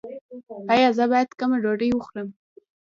ایا زه باید کمه ډوډۍ وخورم؟